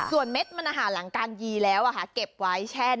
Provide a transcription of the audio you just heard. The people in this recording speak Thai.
ส่วนเม็ดมันอาหารหลังการยีแล้วอ่ะค่ะเก็บไว้แช่น้ำ